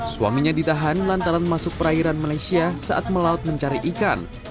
suaminya ditahan lantaran masuk perairan malaysia saat melaut mencari ikan